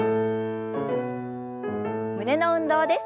胸の運動です。